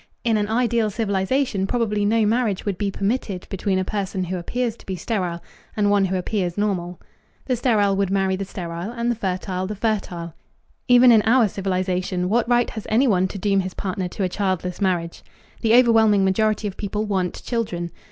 In an ideal civilization probably no marriage would be permitted between a person who appears to be sterile and one who appears normal. The sterile would marry the sterile, and the fertile the fertile. Even in our civilization what right has anyone to doom his partner to a childless marriage? The overwhelming majority of people want children.